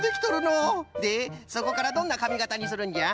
でそこからどんなかみがたにするんじゃ？